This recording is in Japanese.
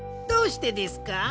どうしてですか？